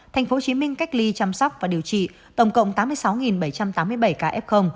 tp hcm cách ly chăm sóc và điều trị tổng cộng tám mươi sáu bảy trăm tám mươi bảy ca f